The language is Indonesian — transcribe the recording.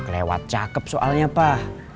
lewat cakep soalnya pak